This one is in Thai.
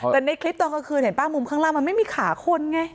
แต่ในคลิปตอนกลางคืนเห็นป่มุมข้างล่างมันไม่มีขาคนไง